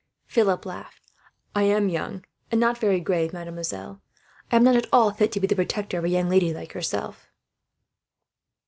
Philip laughed. "I am young, and not very grave, mademoiselle. I am not at all fit to be the protector of a young lady like yourself."